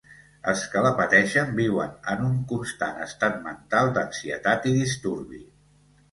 Els que la pateixen viuen en un constant estat mental d'ansietat i disturbi.